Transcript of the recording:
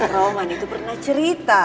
roman itu pernah cerita